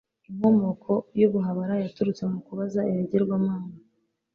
inkomoko y'ubuhabara yaturutse mu kubaza ibigirwamana